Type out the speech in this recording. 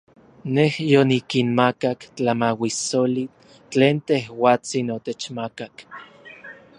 Nej yonikinmakak tlamauissoli tlen tejuatsin otechmakak.